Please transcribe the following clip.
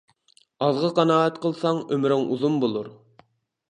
ئازغا قانائەت قىلساڭ ئۆمرۈڭ ئۇزۇن بولۇر.